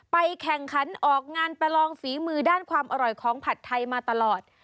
แข่งขันออกงานประลองฝีมือด้านความอร่อยของผัดไทยมาตลอด